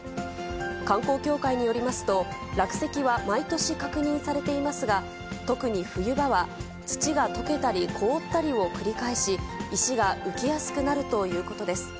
観光協会によりますと、落石は毎年確認されていますが、特に冬場は、土がとけたり凍ったりを繰り返し、石が浮きやすくなるということです。